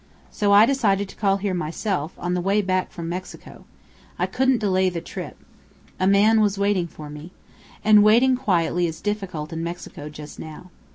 So I decided to call here myself, on the way back from Mexico. I couldn't delay the trip. A man was waiting for me. And waiting quietly is difficult in Mexico just now.